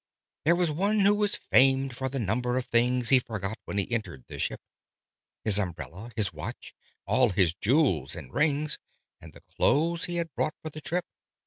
There was one who was famed for the number of things He forgot when he entered the ship: His umbrella, his watch, all his jewels and rings, And the clothes he had bought for the trip.